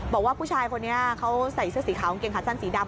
บอกว่าผู้ชายคนนี้เขาใส่เสื้อสีขาวกางเกงขาสั้นสีดำ